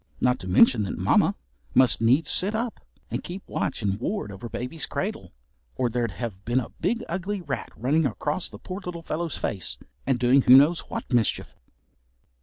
Not to mention that, Mamma must needs sit up, and keep watch and ward over baby's cradle, or there'd have been a big ugly rat running across the poor little fellow's face, and doing who knows what mischief.